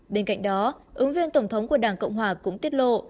bên cạnh đó ứng viên tổng thống của đảng cộng hòa cũng tiết lộ